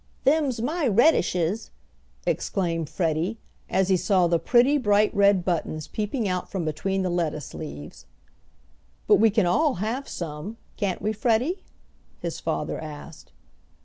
"Them's my redishes!" exclaimed Freddie, as he saw the pretty bright red buttons peeping out from between the lettuce leaves. "But we can all have some, can't we, Freddie?" his father asked.